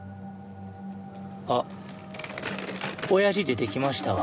あっ親父出てきましたわ。